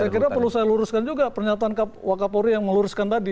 saya kira perlu saya luruskan juga pernyataan wakapori yang meluruskan tadi